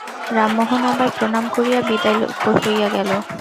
রামমোহন আবার প্রণাম করিয়া বিদায় হইয়া গেল।